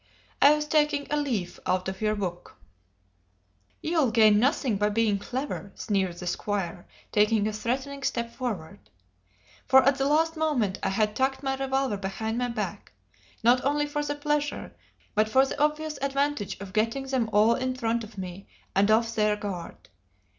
"I was taking a leaf out of your book." "You'll gain nothing by being clever!" sneered the squire, taking a threatening step forward. For at the last moment I had tucked my revolver behind my back, not only for the pleasure, but for the obvious advantage of getting them all in front of me and off their guard.